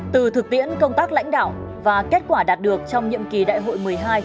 từ thực tiễn công tác lãnh đạo và kết quả đạt được trong nhiệm kỳ đại hội một mươi hai